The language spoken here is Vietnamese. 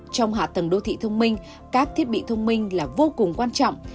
trong hạ tầng đô thị thông minh các thiết bị thông minh là vô cùng quan trọng